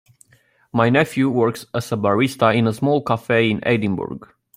My nephew works as a barista in a small cafe in Edinburgh.